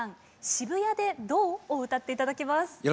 「渋谷でどう？」を歌っていただきます。